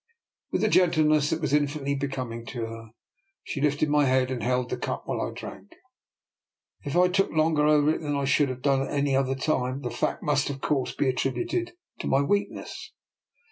With a gentleness that was infinitely be coming to her, she lifted my head and held the cup while I drank. If I took longer over it than I should have done at any other time, the fact must, of course, be attributed to my weakness.